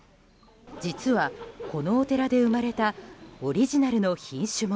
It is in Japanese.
実は、このお寺で生まれたオリジナルの品種も。